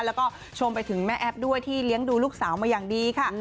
แล้วก็ชมไปถึงแม่แอ๊บด้วยที่เลี้ยงดูลูกสาวมาอย่างดีค่ะ